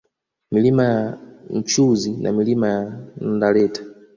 Milima ya Nchuzi na Milima ya Ndaleta